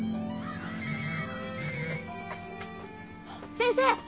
先生！